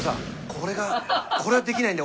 これがこれはできないんだよ